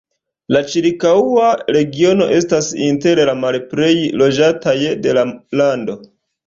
La ĉirkaŭa regiono estas inter la malplej loĝataj de la lando.